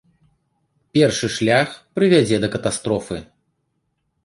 Першы шлях прывядзе да катастрофы.